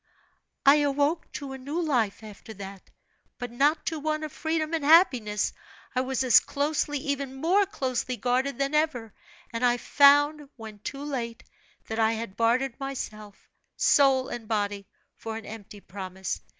"I awoke to a new life, after that; but not to one of freedom and happiness. I was as closely, even more closely, guarded than ever; and I found, when too late, that I had bartered myself, soul and body, for an empty promise.